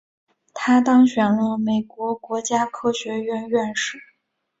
他当选了美国国家科学院院士。